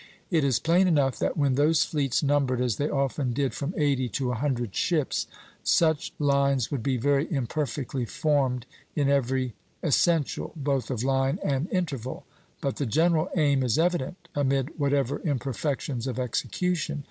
It is plain enough that when those fleets numbered, as they often did, from eighty to a hundred ships, such lines would be very imperfectly formed in every essential, both of line and interval; but the general aim is evident, amid whatever imperfections of execution.